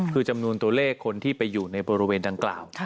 คือจำนวนตัวเลขคนที่ไปอยู่ในบริเวณดังกล่าว